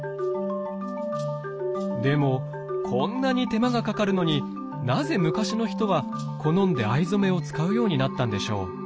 でもこんなに手間がかかるのになぜ昔の人は好んで藍染めを使うようになったんでしょう？